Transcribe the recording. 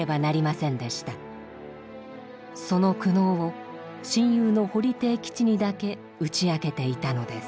その苦悩を親友の堀悌吉にだけ打ち明けていたのです。